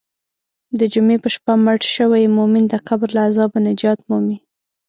د جمعې په شپه مړ شوی مؤمن د قبر له عذابه نجات مومي.